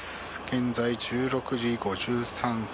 現在１６時５３分。